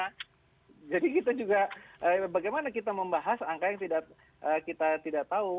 jadi kita juga bagaimana kita membahas angka yang kita tidak tahu